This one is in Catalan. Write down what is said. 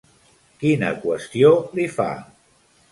Quina qüestió li fa?